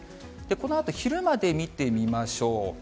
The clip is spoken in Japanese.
このあと昼まで見てみましょう。